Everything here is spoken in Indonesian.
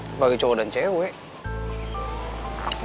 sebagai cowok dan cewek